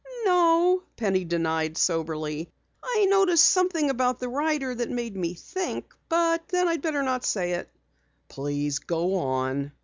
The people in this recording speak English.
"No," Penny denied soberly. "I noticed something about the rider that made me think but then I'd better not say it." "Please go on."